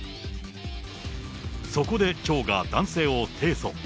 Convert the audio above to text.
そこで町が男性を提訴。